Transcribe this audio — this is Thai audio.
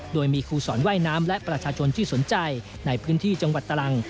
โดยมีครูสอนว่ายน้ำและประชาชนที่สนใจในพื้นที่จังหวัดตรัง